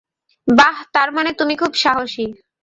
বাহ, তার মানে তুমি খুব সাহসী।